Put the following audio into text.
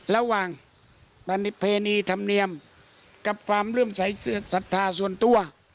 ระหว่างพิเภณีธรรมเนียมกับความเรื่องสัตว์ศรัทธาส่วนตัว